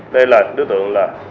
đây là đối tượng là